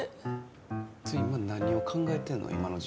ちょ今何を考えてんの？